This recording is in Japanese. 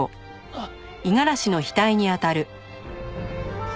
あっ。